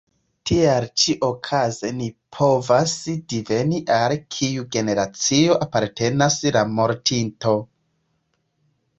Tial ĉi-okaze ni povas diveni al kiu generacio apartenas la mortinto.